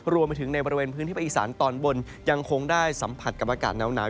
รวมไปถึงในบริเวณพื้นที่ภาคอีสานตอนบนยังคงได้สัมผัสกับอากาศหนาว